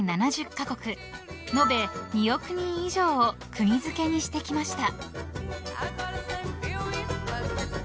［延べ２億人以上を釘付けにしてきました］